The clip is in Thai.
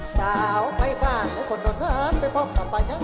สาวไม่พร้อมคนโดนขาดไปพบกับไปงั้น